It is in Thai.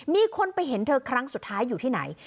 มีคนไปเห็นเธอครั้งสุดท้ายอยู่ที่ไหน